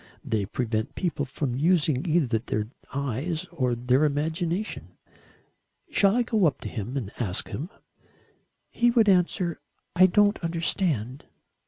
They prevent people from using either their eyes or their imagination. Shall I go up to him and ask him?" "He would answer: 'I don't understand.'"